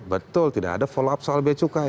betul tidak ada follow up soal biaya cukai